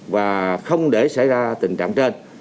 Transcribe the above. và không để xảy ra tình trạng trên